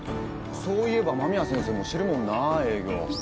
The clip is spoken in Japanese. そういえば間宮先生もしてるもんな営業。